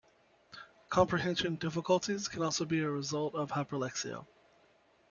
Comprehension difficulties can also be a result of hyperlexia.